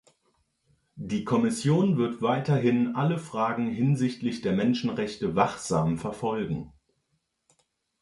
Die Kommission wird weiterhin alle Fragen hinsichtlich der Menschenrechte wachsam verfolgen.